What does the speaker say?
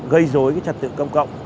gây dối trật tự công cộng